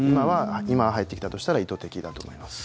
今、入ってきたとしたら意図的だと思います。